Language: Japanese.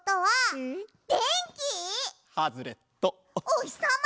おひさま？